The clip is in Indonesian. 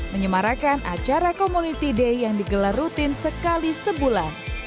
menyemarakan acara community day yang digelar rutin sekali sebulan